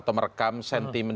atau merekam sentimen